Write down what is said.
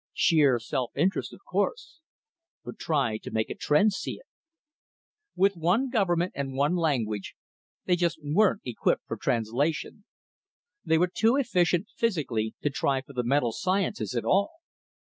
Sheer self interest, of course but try to make a Tr'en see it!_ _With one government and one language, they just weren't equipped for translation. They were too efficient physically to try for the mental sciences at all.